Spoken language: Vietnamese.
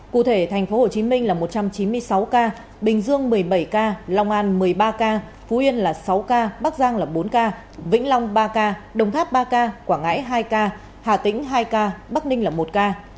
cụ thể tp hcm là một trăm chín mươi sáu ca bình dương một mươi bảy ca long an một mươi ba ca phú yên là sáu ca bắc giang là bốn ca vĩnh long ba ca đồng tháp ba ca quảng ngãi hai ca hà tĩnh hai ca bắc ninh là một ca